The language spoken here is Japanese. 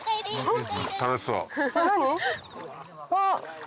あっ！